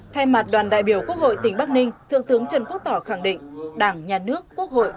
thay mặt đoàn đại biểu quốc hội tỉnh bắc ninh thượng tướng trần quốc tỏ khẳng định đảng nhà nước quốc hội